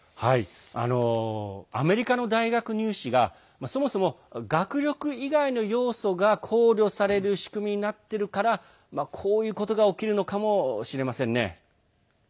アメリカの大学入試がそもそも、学力以外の要素が考慮される仕組みになっているからこういうことが起きるのかもしれませんね。